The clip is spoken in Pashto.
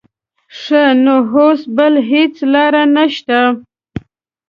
ښه نو اوس بله هېڅ لاره نه شته.